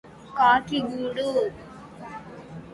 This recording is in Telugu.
కాకి గూడు